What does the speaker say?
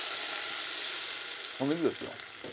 お水ですよ。